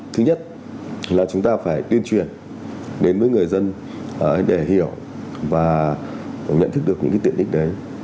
thứ nhất là chúng ta phải tuyên truyền đến với người dân để hiểu và nhận thức được những tiện ích đấy